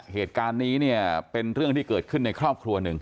เหตุการณ์นี้เนี่ยเป็นเรื่องที่เกิดขึ้นในครอบครัวหนึ่ง